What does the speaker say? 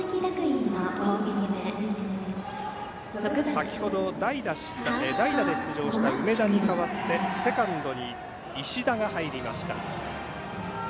先ほど代打で出場した梅田に代わってセカンドに石田が入りました。